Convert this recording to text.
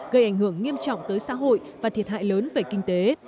gây ảnh hưởng nghiêm trọng tới xã hội và thiệt hại lớn về kinh tế